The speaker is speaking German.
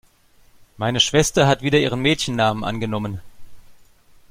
Meine Schwester hat wieder ihren Mädchennamen angenommen.